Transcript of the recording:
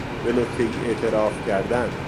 به نکتهای اعتراف کردن